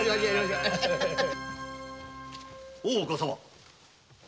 大岡様。